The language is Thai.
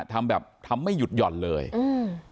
ทำแบบทำไม่หยุดหย่อนเลยอืม